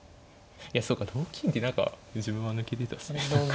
そうか同金って何か自分は抜けてたっすね何か。